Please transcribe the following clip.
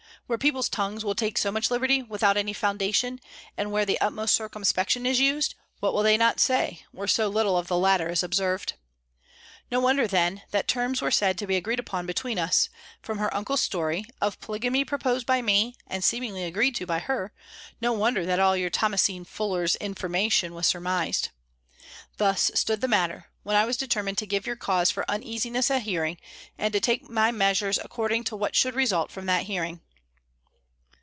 Where people's tongues will take so much liberty, without any foundation, and where the utmost circumspection is used, what will they not say, where so little of the latter is observed? No wonder, then, that terms were said to be agreed upon between us: from her uncle's story, of polygamy proposed by me, and seemingly agreed to by her, no wonder that all your Thomasine Fuller's information was surmised. Thus stood the matter, when I was determined to give your cause for uneasiness a hearing, and to take my measures according to what should result from that hearing."